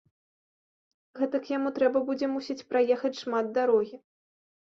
Гэтак яму трэба будзе, мусіць, праехаць шмат дарогі.